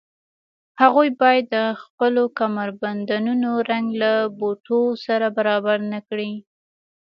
هغوی باید د خپلو کمربندونو رنګ له بټوو سره برابر نه کړي